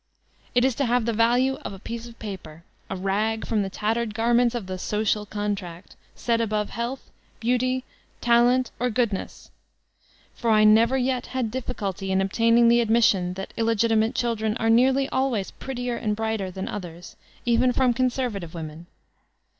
It is to have the value of a piece of paper, a rag from the tattered garments of the ''Social Contract," set above health, beauty, talent or goodness; for I never yet had difficulty in obtaining the admission that illegitimate children are nearly always prettier and brighter than others, even from conservative women.